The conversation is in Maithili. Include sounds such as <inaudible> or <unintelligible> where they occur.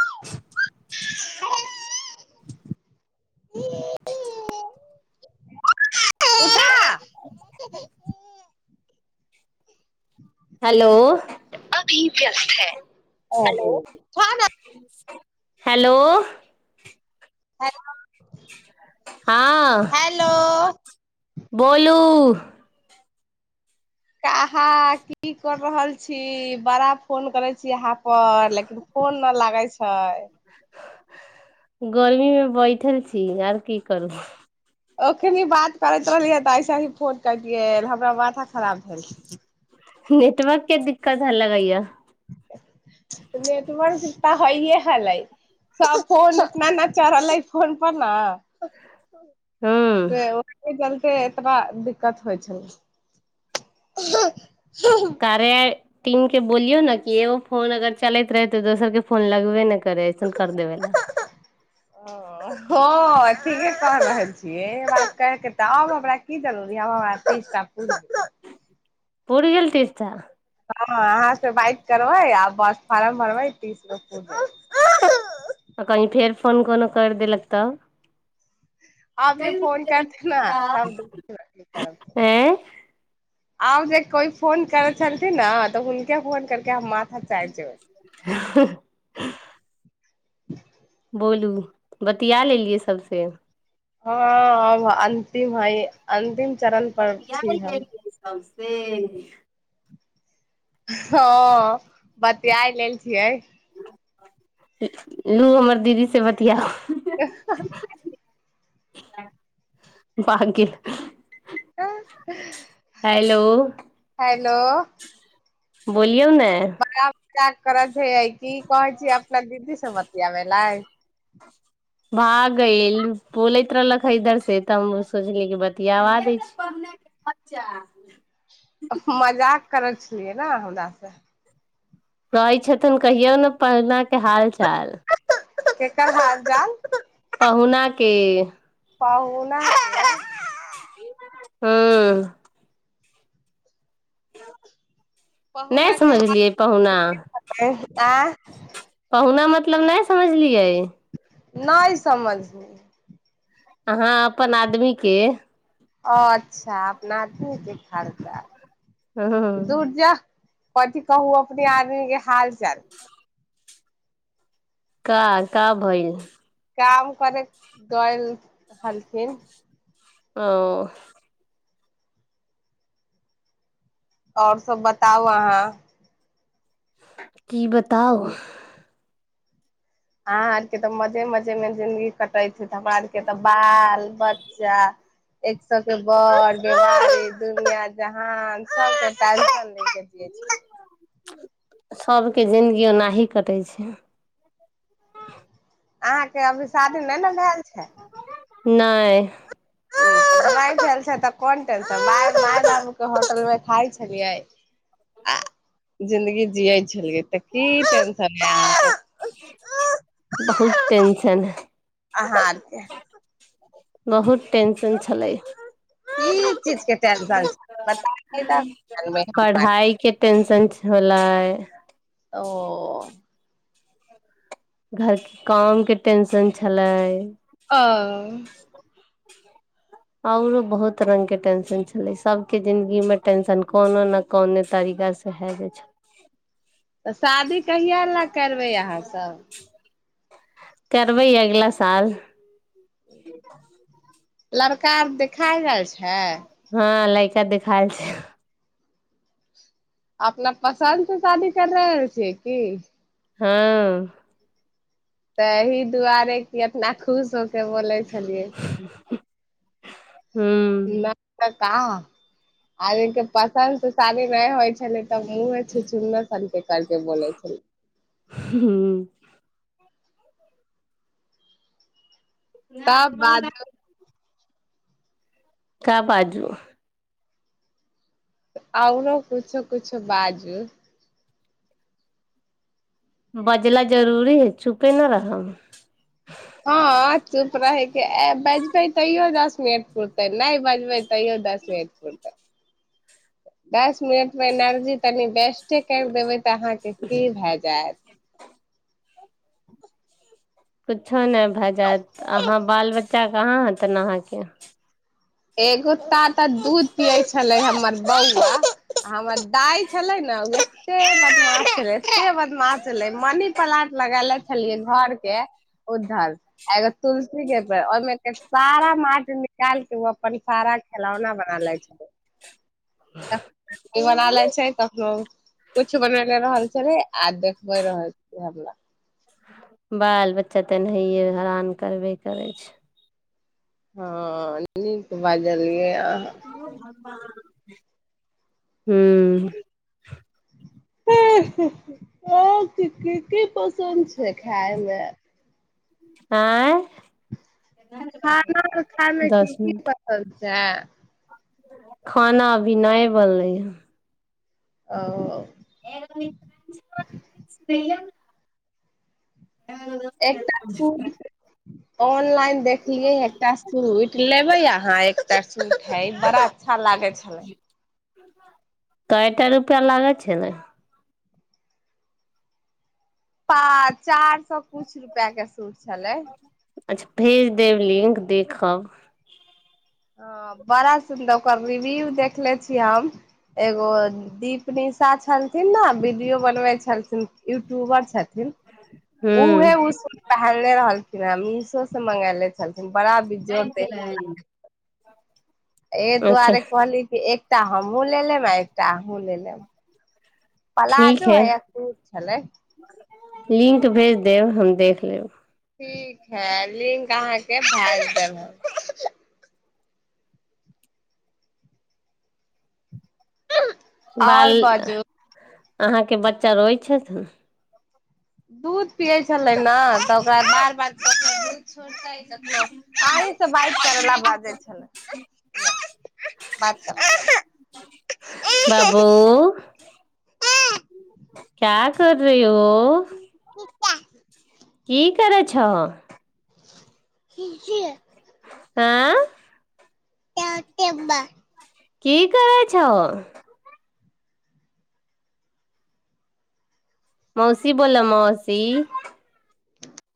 <inaudible> <inaudible> उठा <inaudible> हेलो भी व्यस्त है। हेलो <inaudible> हेलो हाँ हेलो। बोलु काहा की कर रहल छी बड़ा फोन करैत छी अहाँ। आ लेकिन फोन लगाइ छै। हाय गर्मीमे बैठल छी और की करबू ओखनि बात करैत रहलियै तऽ ऐसे ही फोन कयलियै हमरा माथा खराब भेल नेटवर्कके दिक्कत है लगैया <unintelligible> त ओ <unintelligible> हूँ एतबा दिक्कत होइ छै- कार्य टीम के बोलियौ ने कि एगो फोन अगर चलैत रहे त दोसर के फोन लगबे ने करे ऐसन कर देबे ला ओ हाँ ठीके कह रहल छियै बात करके त आब हमरा की जरूरी आब हमरा एकटा पूत पूर गेल तीर्थ हाँ अहाँ से बाइक करबै आ बस फार्म भरबै तीस गो आ कहीं फेर फोन कोनो कर देलक तब आब जे फोन करथि न तब देखब की करब हम ऐं आब जे कोइ फोन करै छलथिन ने तऽ हुनके फोन करके हम मा ह। बोलू बतिया लेलियै सबसे हँ अन्तिम हइ अंतिम। बतिया गेलियै सब। से हँ बतिया लेल छियै। लू हमर दीदी से बतिआउ <unintelligible> <unintelligible> हेलो हेलो। बोल। किऔ ने। <unintelligible> की कहै छिय अपना दीदी मती आै लइ। <unintelligible> भाग गेइल बोलैत रहलक ह इधर से तब हम सोचली कि बतियाव दै छी मजाक। कर छलियै ने हमरा से। कहैय छथिन कहियो ने पहुना के हाल चाल केकर हाल चाल। पहुुना के। पाहूना हँ। नहि पहुना के समझलियै पहुना ह पहुना मतलब नहि समझलियै। नहि समझ अहाँ अपन आदमीे के ओ अच्छा अपना त एते खर्चा। हूं धुर जाउ। कथि कहु अपने आदमी के हाल चाल। का का भइल काम करैत क रहलखिन। ओ। आओर सब बताउ अहाँ। की बताउ। अहाँ आरके तऽ मजे-मजे में जिंगी कटैत। हमरा आरके तऽ बाल बच्चा। जा एक सबके बड़ बेमारी दुनिया जहान सबके टेंशन लेके जिय छै सभके जिनगी ओनाही कटै छै अहाँके अभी शादी नहि ने भाएल छै नहि नहि भेल छै तऽ कोन टेंशन माइ माइ बाबु के होटल मे खााय छलियै आ जिनगी जिय छलिए तऽ की टेंशन या बहुत टेंशन आहाँ आर के बहुत टेंशन छलेए की चीज के टेंशन छै बताबै तब ने जानबै हम आर पढ़ाई के टेंशन छलैए <inaudible> ओ घरके काम के टेंशन छलै आ आओरो बहुत रङ्गके टेंशन छलै सभके जिन्दगीमे टेंशन कोनो ने कोने तरीकासँ भए जाइ छै तऽ शादी कहिया लए करबै अहाँसभ करबै अगला साल ह <inaudible> लड़का आर देखाए गेल छै हँ लैका देखायल छै अपना पसन्द स शादी कर रहल छियै की हँ तऽहि दुआरे की इतना खुश होके बोले छै छलियै हूँ ब <inaudible> तं आदमीक के पसन्द त शादी नहि होइ छलैय तऽह मुंहे छुछुंदर सन के कर के बोैलय छै हूँ तब बाजब का बाजू आओरो कुछो कुछो बाजू बजला जरूरी हइ चुपे न रहब हँ चुप रहैके ए बजबै तैयो दस मिनट पूरतै नहि बजबै तैयो दस मिनट पूरतै दस दस मिनट मे एनर्जी तनी बेस्टे कर देबै तऽ अहाँके की भए जायत कुछो नहि भए जायत अहाँ बाल बच्चा कहाँ हेतन अहाँके एगो टाटा दूध पिये छले हमर बौआ हमर दइ छलै ने एते बदमाश छलै एते बदमाश छलै मनी प्लांट लगले छलिए घर के उधर एगो तुलसी के पेड़ ओहिमे के सारा माटि निकाल के वो अपन सारा खेलौना बना लेय छै आ बना लेय छै कखनो कुछ बनेने रहल छलै आ देखबे रहल छै हमरा बाल बच्चा त एनाहिए हेरान करबे करै छै हँअ नीक बाजलियै अ हूँ ऐं हि हि अंय की की कीप पसन्द छै खाय मे आँय खाना खाायमे की दस की मिनट पसन्द छै खाना अभी नहि बनलै या औअ म <inaudible> आ एकटा <inaudible> सूट ऑनलाइन देखलियै एकटा सूट लेबै अहाँ एकटा सूट हइ बरा अच्छा लागै छलै तऽ एकटा रुपआ लागै छै ने पा चार सए कुछ रुपैया के तू छलै वेवलिंक देखब हँ बड़ा सुन्दर ओकर रिव्यू देखले छियै हम एगो दीप निशा छलथिन ने वीडियो बनबे छलथिन यूट्यूबर छथिन उहे हूँ उ सूट पहलनेे रहल र मीशो सँ मंगालै छलखिन बड़ा बेजोड़ तें -लगै हइ ए अच्छा दुआरे कहली कि एक एकटा हमू ले लेम आ एकटा अन्हु ले लेम पलााजो हइ है कू छलै लिंक भेज देब हम देख लेब ठीक है लिंक अहाँके भैज देब हम बाल आओर बाजू अहाँके बच्चा रोय छथुन दूध पियै छलै न तऽ ओकरा बार बार कखनो दूध छोड़तै कखनो अहीं सँ बात करै ला बाजय छलाह बात कर बाबू क्या कर रही हो <inaudible> <inaudible> की करै छहो ठीक छिय आँय त केबा <inaudible> की करै छहो मौसी बोललय मौसी